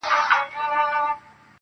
څو؛ د ژوند په دې زوال کي کړې بدل.